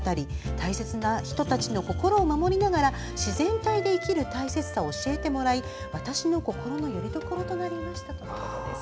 大切な人たちの心を守りながら自然体で生きる大切さを教えてもらい私の心のよりどころとなりましたとのことです。